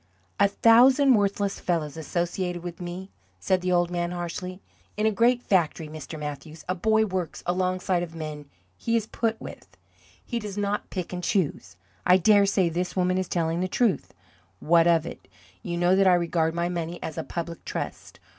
"A thousand worthless fellows associated with me," said the old man, harshly. "In a great factory, Mr. Mathews, a boy works alongside of the men he is put with; he does not pick and choose. I dare say this woman is telling the truth. What of it? You know that I regard my money as a public trust.